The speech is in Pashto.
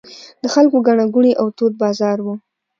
د خلکو ګڼه ګوڼې او تود بازار و.